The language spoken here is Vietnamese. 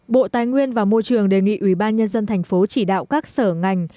bộ tài nguyên và môi trường đề nghị ủy ban nhân dân thành phố chỉ đạo các sở ngành